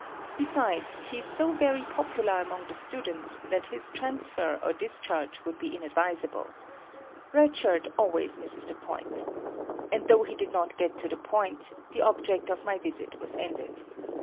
Besides, he is so very popular among the students that his transfer or discharge would be inadvisable. Red Shirt always misses the point. And though he did not get to the point, the object of my visit was ended.